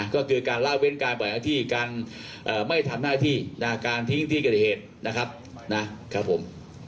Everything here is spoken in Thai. ก็คือการล่าเว้นการปล่อยหน้าที่การไม่ทำหน้าที่การทิ้งที่เกิดเหตุนะครับผม